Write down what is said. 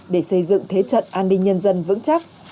để xây dựng thế trận an ninh nhân dân vững chắc